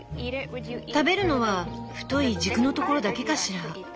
食べるのは太い軸のところだけかしら？